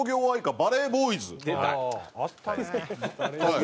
はい。